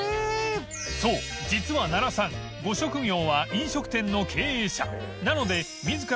磴修実は奈良さんご職業は飲食店の経営者磴覆里